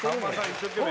一生懸命。